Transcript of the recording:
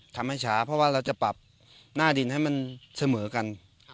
ทำให้ช้าเพราะว่าเราจะปรับหน้าดินให้มันเสมอกัน